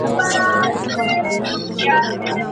د دې مظلوم قام د ژغورني